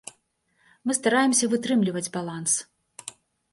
Мы стараемся вытрымліваць баланс.